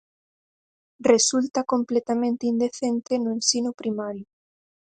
Resulta completamente indecente no ensino primario.